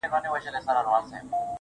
دا عجیب منظرکسي ده، وېره نه لري امامه.